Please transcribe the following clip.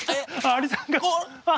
アリさんが！